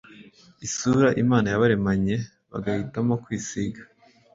isura Imana yabaremanye bagahitamo kwisiga